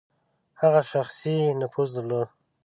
هغه شخصي نفوذ درلود.